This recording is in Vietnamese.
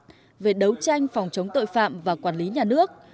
học viện cảnh sát về đấu tranh phòng chống tội phạm và quản lý nhà nước